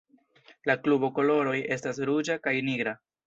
La klubo koloroj estas ruĝa kaj nigra.